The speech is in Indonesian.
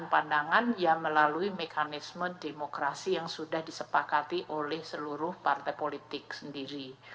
dan pandangan ya melalui mekanisme demokrasi yang sudah disepakati oleh seluruh partai politik sendiri